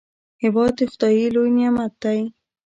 هېواد د خداي لوی نعمت دی.